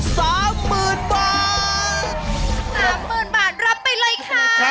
สองหมื่นบาทสามหมื่นบาทรับไปเลยค่ะ